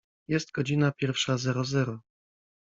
Jest godzina pierwsza zero zero.